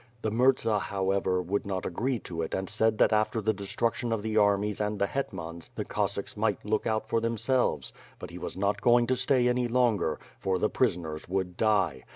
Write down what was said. The murza, however, would not agree to it and said that after the destruction of the armies and the hetmans the Cossacks might look out for themselves; but he was not going to stay any longer, for the prisoners would die.